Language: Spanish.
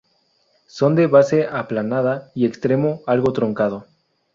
Son de base aplanada y extremo algo truncado.